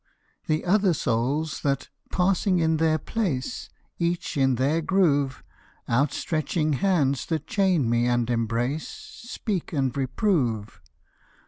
The other souls that, passing in their place, Each in their groove; Out stretching hands that chain me and embrace, Speak and reprove.